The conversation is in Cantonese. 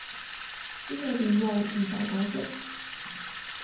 知道點用，唔識解釋